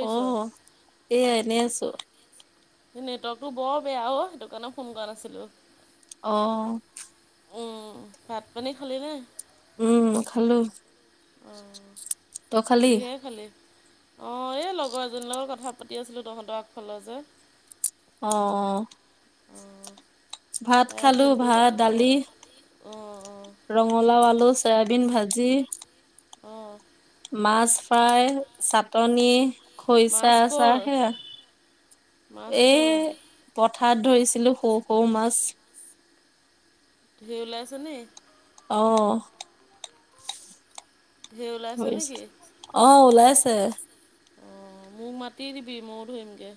অ, এইয়া এনেই আছোঁ। নেটৱৰ্কটো বৰ বেয়া অ' সেইটো কাৰণে ফোন কৰা নাছিলোঁ। অ'। উম, ভাত-পানী খালি নে? উম, মই খালো, তই খালি? কি খালি? অ', এই লগৰ এজনীৰ লগত কথা পাতি আছিলো তহঁতৰ আগফালৰ যে। অ', অ'। ভাত খালো, ভাত দালি। ৰঙালাও আলু চয়াবিন ভাজি। অ'। মাছ ফ্ৰাই চাটনি। খৈইছা আছাৰ সেইয়া, এ পথাৰ ধৰিছিলো সৰু-সৰু মাছ। ঢেৰ ওলাইছে নেকি? অ', [unintelligible] অ', ওলাইছে। অ', মোক মাতি দিবি ময়ো ধৰিমগে।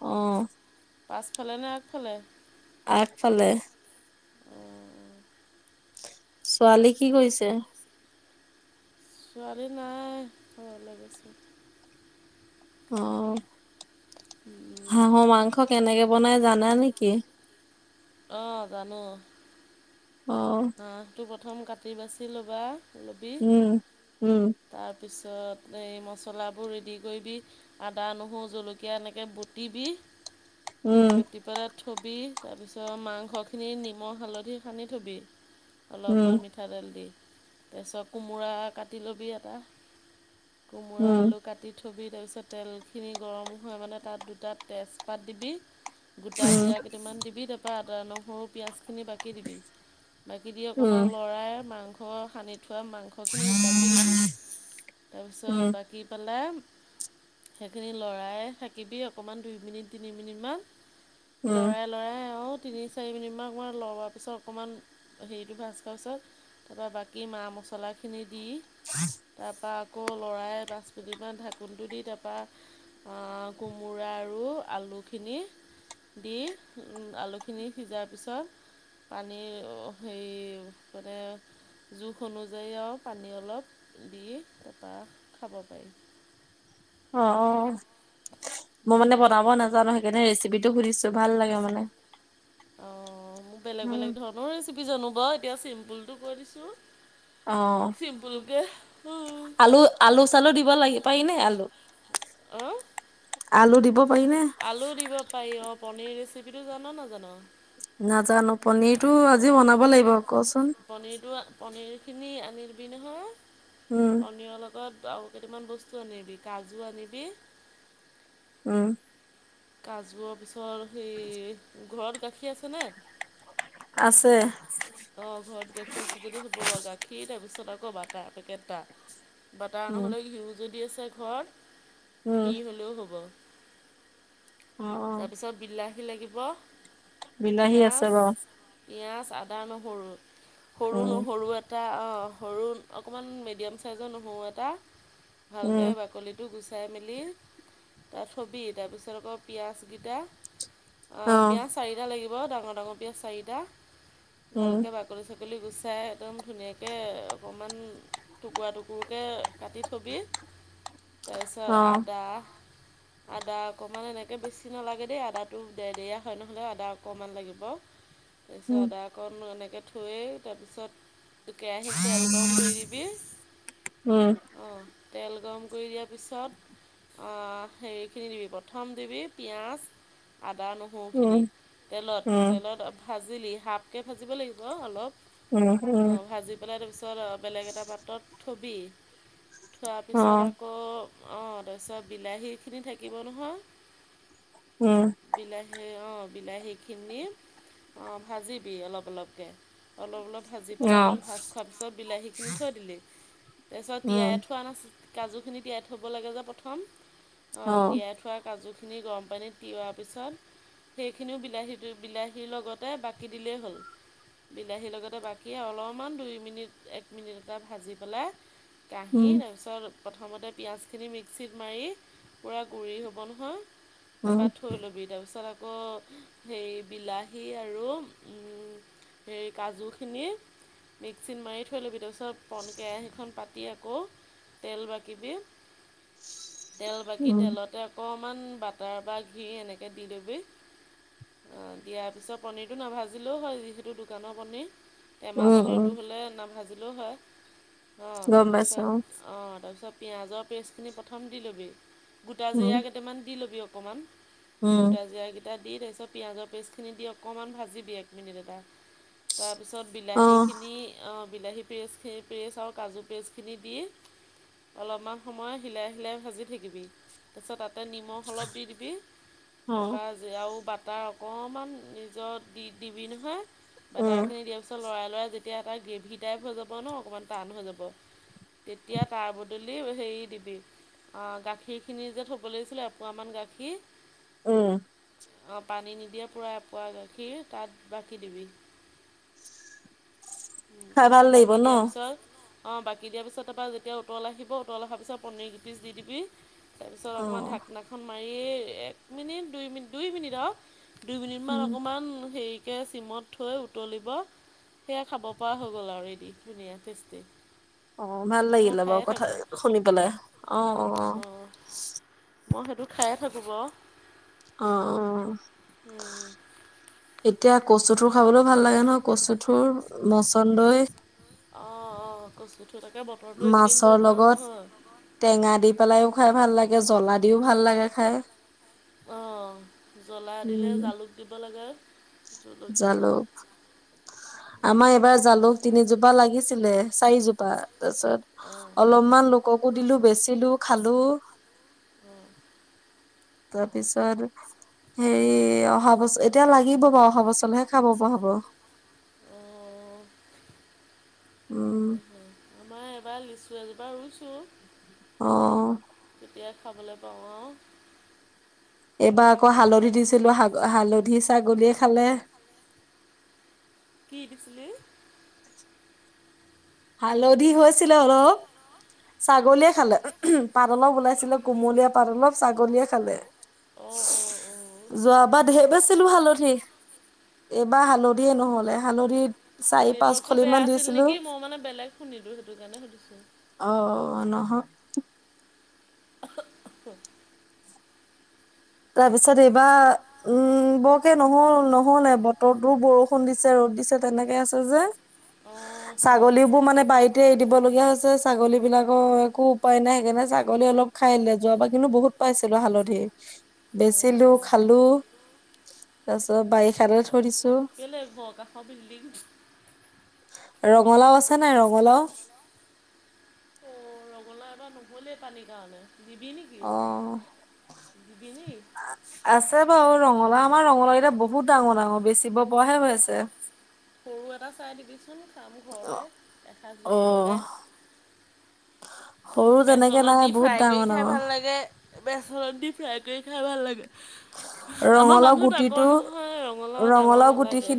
অ'। পাছফালে নে আগফালে? আগফালে। ছোৱালী কি কৰিছে? ছোৱালী নাই, [unintelligible] গৈছে। অ', হাঁহৰ মাংস কেনেকে বনাই জানা নেকি? অ', জানো। অ'। হাঁহটো প্ৰথম কাটি-বাচি ল'বা, ল'বি। তাৰপিছত এই মচলাবোৰ ৰেডি কৰিবি। আদা নহৰু জলকীয়া এনেকৈ বুটিবি। বুটি পেলাই থবি তাৰপিছত মাংসখিনি নিমখ হালধি সানি থবি। অলপমান মিঠাতেল দি, তাৰপিছত কোমোৰা কাটি ল'বি এটা। কোমোৰা আলু কাটি থবি তাৰপিছত তেলখিনি গৰম হয় মানে তাত দুটা তেজপাত দিবি। গোটা জিৰা কেইটামান দিবি তাৰপা আদা-নহৰু পিঁয়াজখিনি বাকী দিবি। বাকী দি অকণমান লৰাই মাংস সানি থোৱা মাংস খ খিনি বাকী দিবি, তাৰপিছত বাকি পেলাই সেইখিনি লৰাই থাকিবি অকণমান দুই মিনিট তিনি মিনিটমান। লৰাই লৰাই আৰু তিনি চাৰি মিনিটমান অকণমান লোৱাৰ পিছত অকণমান হেৰিটো ভাজ খোৱাৰ পাছত, তাৰপৰা বাকী মা মছলাখিনি দি [unintelligible] তাৰপৰা আকৌ লৰাই পাঁচ মিনিটমান ঢাকোনটো দি তাৰপৰা আ, কোমোৰা আৰু আলুখিনি দি আলুখিনি সিজাৰ পিছত, পানী সেই কৰে জোখ অনুযায়ী আৰু পানী অলপ, দি তাৰপৰা খাব পাৰি। অ', মই মানে বনাব নাজানো সেইকাৰণে ৰেচিপি টো সুধিছো ভাল লাগে মানে। অ, মো বেলেগ বেলেগ ধৰণৰ ৰেচিপি জানো বাৰু এতিয়া চিম্পুলটো কৈ দিছোঁ। অ', আলু, আলু, চালু দিব লাগিব পাৰি নে আলু। অহ আলু দিব পাৰিনে? আলু দিব পাৰি অঁ পনীৰ ৰেচিপিটো নেজান। নাজানো পনিৰটো আজি বনাব লাগিব কচোন। পনীৰটো পনীৰখিনি আনি দিবি নহয় পনীৰৰ লগত আৰু কেইটামান বস্তু আনিবি কাজু আনিবি, উম। কাজুৰৰ পিছৰ সেৰী ঘৰত গাখীৰ আছেনে? আছে। অ ঘৰত গাখীৰ আছে যদি হ'ব বাৰু গাখীৰ পিছত আক বাটাৰ পেকেট এটা। বাটাৰ নহ'লে ঘিউ যদি আছে ঘৰত ঘি হ'লেও হ'ব। তাৰপিছত বিলাহী লাগিব পিঁয়াজ, পিঁয়াজ, আদা, নহৰু সৰু নহৰু এ এটা অঁ সৰু অকণমান মিডিয়াম চাইজৰ নহৰু এটা ভালকে বাকলি গুচাই মেলি থবি তাৰপাছত আকৌ পিয়াজ কেইটা অহ পিঁয়াজ চাৰিটা লাগিব ডাঙৰ ডাঙৰ পিঁয়াজ চাৰিটা ভালকে বাকলি ছাকলী গুচাই একদম ধুনীয়াকে অকণমান টুকুৰা টুকুৰকে কাটি থবি, তাৰপিছত আদা- আদা অকণমান এনেকৈ বেছি নালাগে দেই আদাটো দে দেয়া হয় নহ'লে আদা অকণমান লাগিব। তাৰপিছত আদা অকণ এনেকৈ থৈয়েই তাৰপিছত কেৰাহীত তেল গৰম কৰি দিবি অঁ তেল গৰম কৰি দিয়াৰ পিছত অ হেৰিখিনি দিবি প্ৰথম দিবি পিঁয়াজ, আদা, নহৰুখিনি তেলত তেলত ভাজিলি হাফকৈ ভাজিব লাগিব অলপ অ ভাজি পেলাই তাৰপিছত বেলেগ এটা পাত্ৰত থ'বি থোৱাৰ পিছত আকৌ আকৌ অঁ তাৰপিছত বিলাহীখিনি থাকিব নহয়, উম। বিলাহী অঁ বিলাহীখিনি অঁ ভাজিবি অলপ অলপকে অলপ অলপ ভাজি পেলাই অকণ ভাজ খোৱাৰ পিছত বিলাহীখিনি থৈ দিলি তাৰপিছত তিয়াই থোৱা নাছিল কাজুখিনি তিয়াই থ'ব লাগে যে প্ৰথম অঁ তিয়াই কাজুখিনি গৰম পানীত তিওৱাৰ পিছত সেইখিনিও বিলাহীটো বিলাহীৰ লগতে বাকী দিলেই হ'ল। বিলাহীৰ লগতে বাকী অলপমান দুই মিনিট এক মিনিট এটা ভাজি পেলাই কাহী তাৰপিছত প্ৰথমতে পিঁয়াজখিনি মিক্সিত মাৰি পূৰা গুড়ি হ'ব নহয় তাৰপৰা থৈ ল'বি তাৰপিছত আকৌ আকৌ হেৰি বিলাহী আৰু হেৰি কাজুখিনি মিক্সিত মাৰি থৈ ল'বি, তাৰ পিছত পন কেৰাহীখন পাতি আকৌ তেল বাকিবি তেল বাকী তেলতে অকণমান বাটাৰ বা ঘি এনেকৈ দি ল'বি, অ দিয়াৰ পিছত পনীৰটো নাভাজিলেও হয়, যিহেতু দোকানৰ পনীৰ। টেমা পনীৰটো হ'লে, নাভাজিলেও হয়। অ', তাৰপিছত, অ' তাৰপিছত, পিঁয়াজৰ পেষ্টখিনি প্ৰথম দি ল'বি, গোটা জিৰা কেইটা কেইটামান দি ল'বি অকণমান, গোটা জিৰা এটা দি তাৰপিছত পিঁয়াজৰ পেষ্টখিনি দি অকণমান ভাজিবি এক মিনিট এটা। তাৰপিছত বিলাহীখিনি, অ' বিলাহী পেষ্ট পেষ্ট আৰু কাজু পেষ্টখিনি দি অলপমান সময় হিলাই হিলাই ভাজি থাকিবি, তাৰপিছত- তাতে নিমখ অলপ দি দিবি, তাৰপা- আৰু বাটাৰ অকণমান নিজৰ দি দিবি নহয়, বাটাৰখিনি দিয়াৰ- তাৰপিছত লৰাই ল'ৰাই যেতিয়া এটা গ্ৰেভি টাইপ হৈ যাব ন, অকণমান টান হৈ যাব। তেতিয়া তাৰ বদলি হেৰি দিবি, অ' গাখীৰ খিনি যে থব- লে দিছিলে এপোৱামান গাখীৰ- উম। অ', পানী নিদিয়া পূৰা এপোৱা গাখীৰ তাত বাকি দিবি। তাৰপিছত, বাকী দিয়াৰ পিছত- অ', বাকী দিয়াৰ পিছত তাপা যেতিয়া উতল আহিব, উতল অহাৰ পিছত পনীৰ গি পিচ দি দিবি। তাৰপিছত অকণমান ঢাকনাখন মাৰি এক মিনিট দুই মিনিট দুই মিনিট আৰু। দুই মিনিটমান অকণমান হেৰিকে চিমত থৈ উতলিব, সেয়া খাব- পৰা হৈ গ'ল আৰু ৰেদি, ধুনীয়া টেষ্টি। অ', ভাল লাগিলে বাৰু কথা শুনি পেলাই। অ', অ', অ'। মই সেইটো খায়েই থাকোঁ বাৰু। অ', অ'। এতিয়া কচুথোৰ খাবলৈও ভাল লাগে নহয়, কচুথোৰ, মচন্দৈ। অ', অ', কচুথোৰ, তাকে বতৰটো এইকেইদিন বৰ ভাল নহয়। টেঙা দি পেলায়ো খাই ভাল লাগে, জ্বলা দিও ভাল লাগে খাই। অ', জ্বলা দিলে জালুক দিব লাগে, জলকীয়া জালুক। আমাৰ এইবাৰ জালুক তিনিজোপা লাগিছিলে, চাৰিজোপা তাৰপিছত- অলপমান লোককো দিলো, বেচিলোউ, খালো। অহ। তাৰপিছত হেৰি, অহা বছৰ এতিয়া লাগি- লাগিব বাৰু, অহা বছৰলেহে খাব পৰা হ'ব। উম। উম। আমাৰ এইবাৰ লিচু এজোপা ৰুইছো। অহ। তেতিয়াই খাবলৈ পাওঁ আৰু। এইবাৰ আকৌ হালধী দিছিলো, হালধী ছাগলীয়ে খালে। কি দিছিলি? [unintelligible] হালধী হৈছিলে অলপ, ছাগলীয়ে খালে। পাত অলপ ওলাইছিলে, কোমলীয়া পাত অলপ, ছাগলীয়ে খালে। যোৱাবাৰ ধেৰ বেছিলো হালধী। এইবাৰ হালধীয়ে ন'হল, হালধী- নেটৱৰ্কটো বেয়া আছিল নেকি? মই মানে বেলেগ শুনিলোঁ, সেইটো কাৰণে সুধিছোঁ। অ', নহয়। অ অ। তাৰপিছত এইবাৰ- উম বৰকে নহল নহলে, বতৰতো বৰষুণ দিছে, ৰ'দ দিছে তেনেকে আছে যে। ছাগলীবোৰ মানে বাৰীত- এৰি দিবলগীয়া হৈছে। ছাগলী বিলাকৰ একো উপায় নাই সেইকাৰণে ছাগলী অলপ খাই দিলে। যোৱা বাৰ কিন্তু বহুত- পাইছিলো হালধী। বেচিলো, খালো, তাৰপিছত বাৰিষালে থৈ দিছো। কেলৈ ব কা [unintelligible] ৰঙালাও আছে নাই ৰঙালাও? নাই এবাৰ নহ'লেই পানীৰ কাৰণে, দিবি নেকি? অঁ, আছে বাৰু ৰঙ- ৰঙলা আমাৰ ৰঙলা কেইটা বহুত ডাঙৰ ডাঙৰ, বেচিব পৰা হে আছে। সৰু এটা চাই দিবিচোন, খাম ঘৰতে এসাঁজ জুতি লগাই। বেচনত দি ফ্ৰাই কৰি খাই ভাল লাগে, বেচনত দি ফ্ৰাই কৰি খাই ভাল লাগে। আমাৰ মানুহ তাকৰ নহয়, ৰঙালাও ডাঙৰ নালাগে।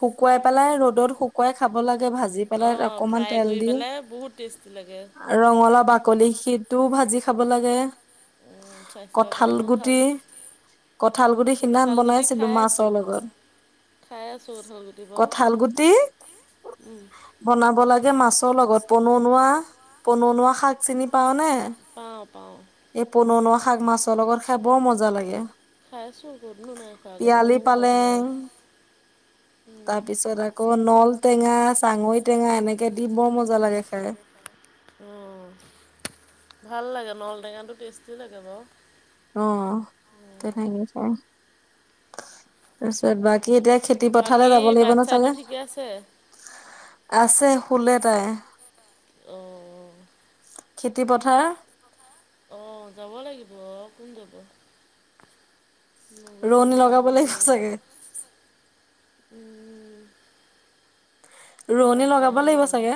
শুকুৱাই পেলাই, ৰ'দত শুকুৱাই খাব লাগে ভাজি। অঁ ফ্ৰাই কৰি পেলাই বহুত টেষ্টি লাগে। ৰঙালাও বাকলি সিতটোও ভাজি খাব লাগে। উম স্বাস্থ্যৰ কাৰণেও ভাল। কঁঠাল গুটি সিদিনাখন বনাইছিলো মাছৰ লগত। খাই আছো কঁঠাল গুটি বা। বনাব লাগে মাছৰ লগত। পননোৱা, পননোৱা শাক চিনি পাওঁ নে? পাওঁ, পাওঁ। এই পননোৱা শাক মাছৰ লগত- খাবৰ মজা লাগে। তিয়ালি পালেং- [unintelligible] তাৰপিছত আকৌ নল টেঙা, চাঙৈ টেঙা এনেকে দি বৰ মজা লাগে। উম, ভাল লাগে, নল টেঙাটো টেষ্টি লাগে বাৰু। অ তেনেকে খায়। তাৰপিছত বাকী এতিয়া খেতি পথাৰলৈ যাব লাগিব ন চাগে। আছে শুলে তাই। খেতি পথাৰ! অঁ যাব লাগিব অঁ কোন যাব। ৰণ লগাবলে চাগে। ৰোৱনী লগাব লাগিব চাগে।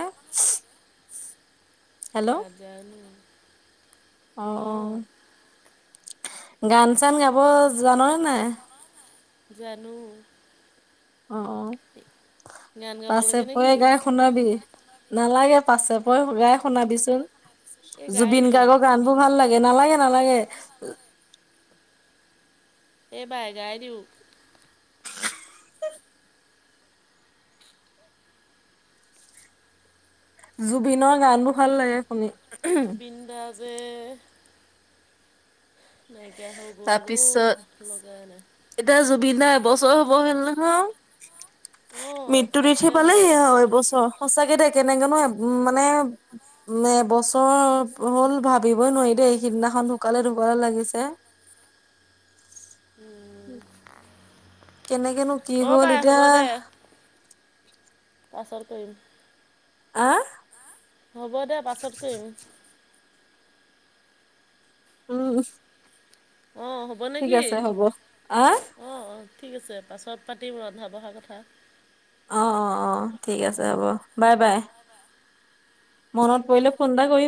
নাজানো। অঁ, অঁ, গান চান গাব জাননে নাই? জানো। অঁ অঁ, পাছে পই গাই শুনাবি। নালাগে পাছে পই গাই শুনাবিচোন, জুবিন গাৰ্গৰ গান। তোৰ ভাল লাগে, নালাগে নালাগে। এই বাই গাই দিওঁ। জুবিনৰ গানবোৰ ভাল লাগে শুনি। জুবিন দা যে! নাইকিয়া হৈ গ'ল অউ, ভোক লগা নাই। এতিয়া জুবিন দা এবছৰ হবৰ হল নহয়। মৃত্যু তিথি পালেহি সেয়া এবছৰ, সঁচাকে দে কেনেকেনো মানে। নে এবছৰ হ'ল ভাবিবই নোৱাৰি দেই। সিদিনাখন ঢুকালে, ঢুকালে লাগিছে। উম। কেনেকেনো অ বাই হ'ব দে পাছত কৰিম আ হ'ব দে পাছত কইম উম অ হ'ব নেকি অঁ অঁ ঠিক আছে পাছত পাতিম ৰন্ধা-বঢ়া কথা অ অ অ ঠিক আছে হ'ব বাই বাই মনত পৰিলে ফোন এটা কৰিম